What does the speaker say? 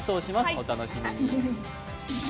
お楽しみに！